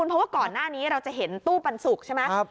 เพราะว่าก่อนหน้านี้เราจะเห็นตู้ปันสุกใช่ไหม